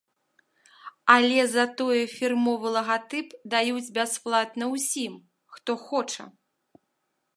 Але затое фірмовы лагатып даюць бясплатна ўсім, хто хоча.